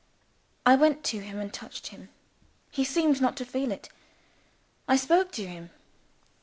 I went to him, and touched him. He seemed not to feel it. I spoke to him.